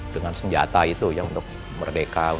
dengan senjata itu yang untuk merdekah